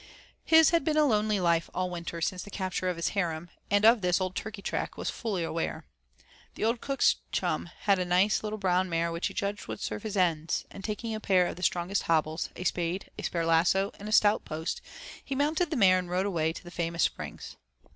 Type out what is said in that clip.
His had been a lonely life all winter since the capture of his harem, and of this old Turkeytrack was fully aware. The old cook's chum had a nice little brown mare which he judged would serve his ends, and taking a pair of the strongest hobbles, a spade, a spare lasso, and a stout post he mounted the mare and rode away to the famous Springs.